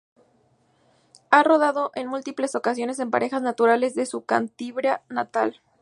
Ha rodado en múltiples ocasiones en parajes naturales de su Cantabria natal.